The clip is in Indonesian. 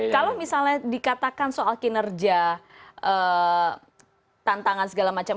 kalau misalnya dikatakan soal kinerja tantangan segala macam